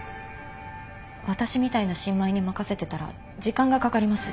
私みたいな新米に任せてたら時間がかかります。